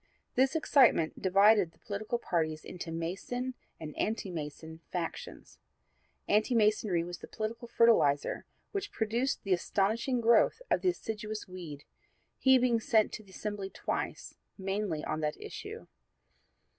This excitement divided the political parties into Mason and Anti Mason factions. Anti Masonry was the political fertilizer which produced the astonishing growth of the assiduous Weed, he being sent to the Assembly twice, mainly on that issue.